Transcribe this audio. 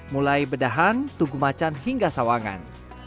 mulai bedahan tugumacan hingga sawangan